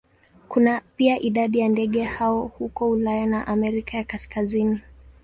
Kuna pia idadi ya ndege hao huko Ulaya na Amerika ya Kaskazini.